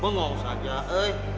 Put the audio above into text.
mengong saja eh